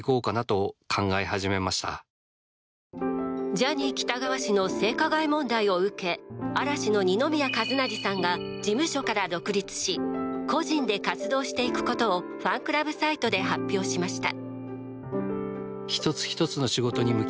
ジャニー喜多川氏の性加害問題を受け嵐の二宮和也さんが事務所から独立し個人で活動していくことをファンクラブサイトで発表しました。